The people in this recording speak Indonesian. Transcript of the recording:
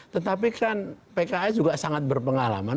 tetapi kan pks juga sangat berpengalaman